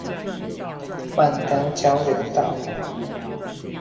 萬丹交流道